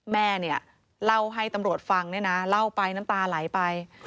แม่เล่าให้ตำรวจฟังเล่าไปน้ำตาไหลไป